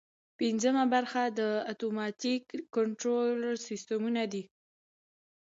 پنځمه برخه د اتوماتیک کنټرول سیسټمونه دي.